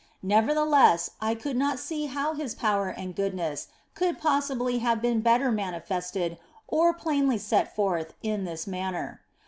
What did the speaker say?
Nevertheless, I could not see how His power and goodness could possibly have been better manifested or more plainly set forth than in this manner.